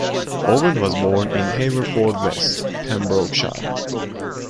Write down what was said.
Owen was born in Haverfordwest, Pembrokeshire.